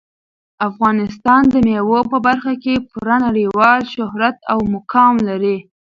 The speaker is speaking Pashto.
افغانستان د مېوو په برخه کې پوره نړیوال شهرت او مقام لري.